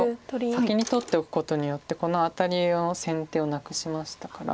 先に取っておくことによってこのアタリを先手をなくしましたから。